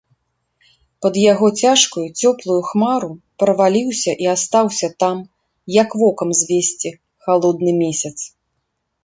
Пад яго цяжкую, цёплую хмару праваліўся і астаўся там, як вокам звесці, халодны месяц.